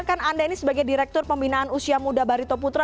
kan anda ini sebagai direktur pembinaan usia muda barito putra